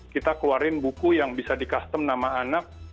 kita keluarin buku yang bisa di custom nama anak